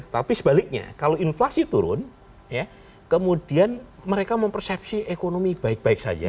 tapi sebaliknya kalau inflasi turun kemudian mereka mempersepsi ekonomi baik baik saja